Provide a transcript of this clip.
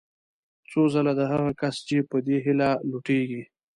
څو ځله د هغه کس جېب په دې هیله لوټېږي.